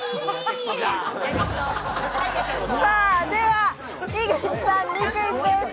では井口さんにクイズです。